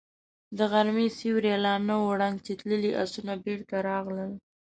د غرمې سيوری لا نه و ړنګ چې تللي آسونه بېرته راغلل.